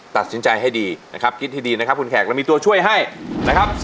ตัดสินใจให้ดีนะครับคิดให้ดีนะครับคุณแขกเรามีตัวช่วยให้นะครับ